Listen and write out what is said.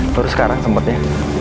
terus sekarang sempetnya